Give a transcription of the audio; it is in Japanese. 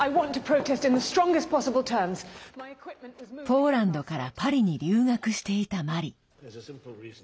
ポーランドからパリに留学していたマリ。